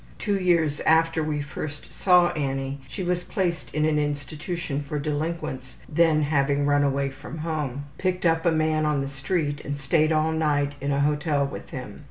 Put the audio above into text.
Two years after we first saw Annie she was placed in an institution for delinquents, then having run away from home, ``picked up'' a man on the street and stayed all night in a hotel with him.